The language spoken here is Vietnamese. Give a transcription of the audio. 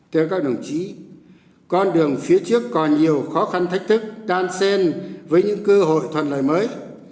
theo các đồng chí con đường phía trước còn nhiều khó khăn thách thức đan sen với những cơ hội thuận lợi mới